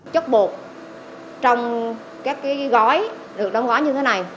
chất bột trong các gói được đóng gói như thế này